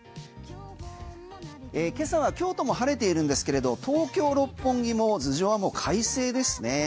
今朝は京都も晴れているんですけれど東京・六本木も頭上はもう快晴ですね。